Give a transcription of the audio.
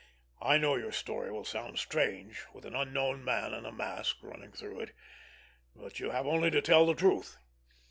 I know your story will sound strange with an unknown man in a mask running through it, but you have only to tell the truth.